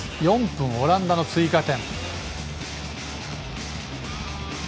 ４分、オランダの追加点。